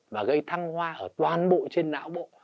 và gây thăng hoa ở toàn bộ trên não bộ